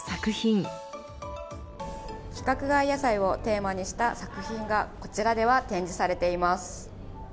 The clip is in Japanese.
規格外野菜をテーマにした作品がこちらでは展示されています。